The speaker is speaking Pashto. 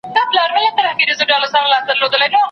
نن که دي وګړي د منبر په ریا نه نیسي